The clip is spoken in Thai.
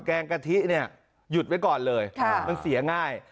แกงกะทิเนี่ยหยุดไว้ก่อนเลยมันเสียง่าย